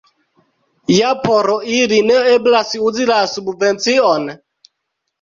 Ja por ili ne eblas uzi la subvencion?